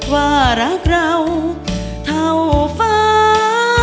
ว่ารักเราเท่าฟ้า